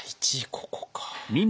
ここか。